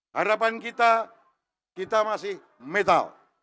harapan kita kita masih metal